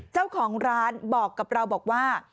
เจ้าของร้านบอกกับเราบอกว่า